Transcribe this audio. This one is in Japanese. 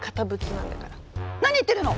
何言ってるの！